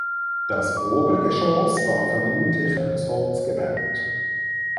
Das Obergeschoss war vermutlich aus Holz gebaut.